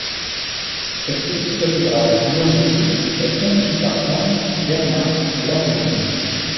Cette petite cathédrale néogothique est conçue par Ernst Bernhard Lohrmann.